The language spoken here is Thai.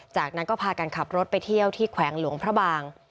จากนั้นก็พากันขับรถไปเที่ยวที่แขวงหลวงพระบาง